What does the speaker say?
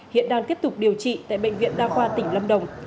hiện đang tiếp tục điều trị tại bệnh viện đa khoa tỉnh lâm đồng